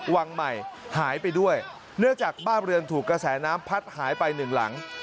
วังใหม่หายไปด้วยเนื่องจากบ้านเรือนถูกกระแสน้ำพัดหายไปหนึ่งหลัง